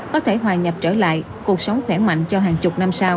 có thể hòa nhập trở lại cuộc sống khỏe mạnh cho hàng chục năm sau